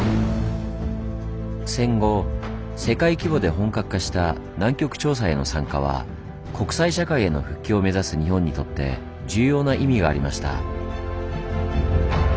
戦後世界規模で本格化した南極調査への参加は国際社会への復帰を目指す日本にとって重要な意味がありました。